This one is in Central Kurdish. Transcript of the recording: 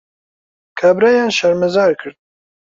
کابرایان شەرمەزار کرد